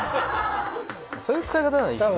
そういう使い方ならいいですね。